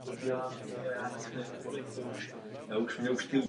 Databáze zahrnuje devět typů tabulek s velkým počtem dat.